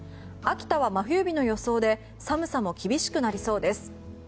秋田は真冬日の予想で寒さも厳しくなりそうです。